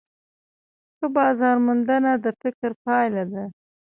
ښه بازارموندنه د فکر پایله ده.